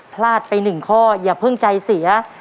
พลาดไป๑ข้ออย่าเพิ่งใจเสีย